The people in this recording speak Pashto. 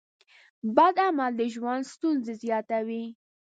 بد عمل د ژوند ستونزې زیاتوي.